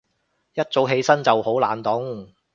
一早起身就好冷凍